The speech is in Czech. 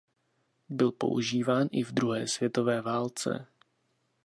Byl používán i v druhé světové válce.